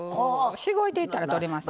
しごいていったら取れます。